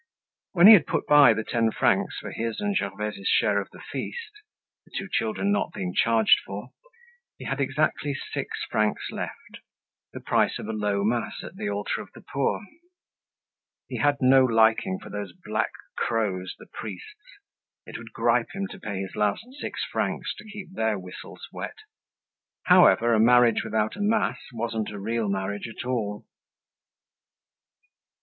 When he had put by the ten francs for his and Gervaise's share of the feast—the two children not being charged for—he had exactly six francs left—the price of a low mass at the altar of the poor. He had no liking for those black crows, the priests. It would gripe him to pay his last six francs to keep their whistles wet; however, a marriage without a mass wasn't a real marriage at all.